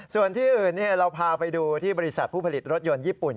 ส่วนที่อื่นเราพาไปดูที่บริษัทผู้ผลิตรถยนต์ญี่ปุ่น